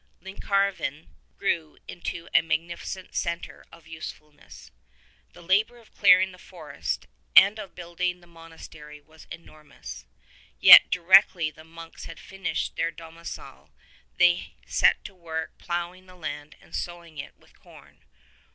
Llancarvan grew into a magnificent centre of usefulness. The labor of clearing the forest and of building the monas tery was enormous; yet directly the monks had finished their domicile they set to work ploughing the land and sowing it with corn.